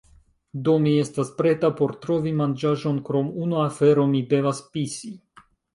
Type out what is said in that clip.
Do, mi estas preta por trovi manĝaĵon krom unu afero mi devas pisi